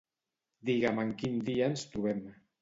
Digue'm en quin dia ens trobem.